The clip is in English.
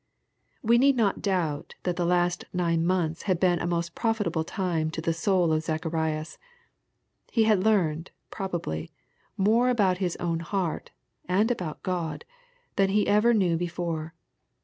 We need not doubt that the past nine months had been a most profitable time to the soul of Zacharias. He had learned, probably, more about his own heart, and about God, than he ever knew before.